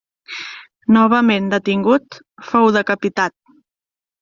Novament detingut, fou decapitat.